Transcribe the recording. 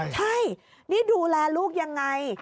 ใช่นี่ดูแลลูกยังไง